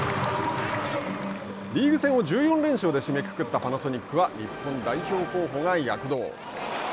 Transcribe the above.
リーグ戦を１４連勝で締めくくったパナソニックは日本代表候補が躍動。